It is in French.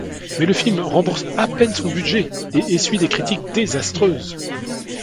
Mais le film rembourse à peine son budget et essuie des critiques désastreuses.